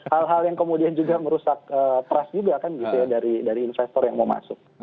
hal hal yang kemudian juga merusak trust juga dari investor yang mau masuk